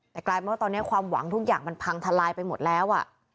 แต่กลายเป็นว่าตอนนี้ความหวังทุกอย่างมันพังทลายไปหมดแล้ว